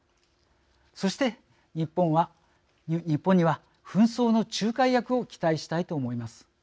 そして、日本には紛争の仲介役を期待したいと思います。